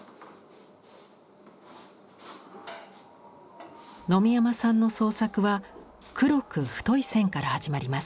野見山さんの創作は黒く太い線から始まります。